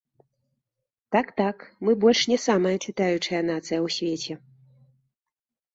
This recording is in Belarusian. Так-так, мы больш не самая чытаючая нацыя ў свеце.